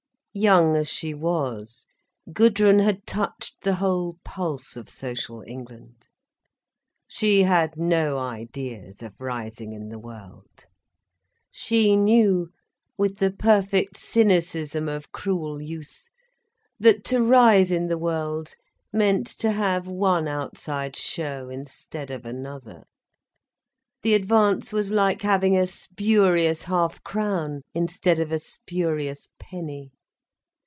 Young as she was, Gudrun had touched the whole pulse of social England. She had no ideas of rising in the world. She knew, with the perfect cynicism of cruel youth, that to rise in the world meant to have one outside show instead of another, the advance was like having a spurious half crown instead of a spurious penny.